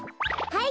はい。